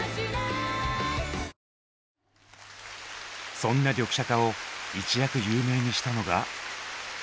そんなリョクシャカを一躍有名にしたのが。